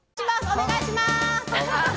お願いします！